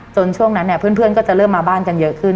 ช่วงนั้นเนี่ยเพื่อนก็จะเริ่มมาบ้านกันเยอะขึ้น